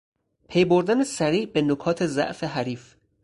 پیبردن سریع به نکات ضعف حریف